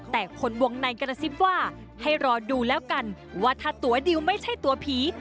แต่คนวงในกระซิบว่าให้รอดูแล้วกันว่าถ้าตัวดิวไม่ใช่ตัวผี